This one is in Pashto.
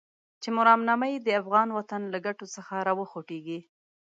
چې مرامنامه يې د افغان وطن له ګټو څخه راوخوټېږي.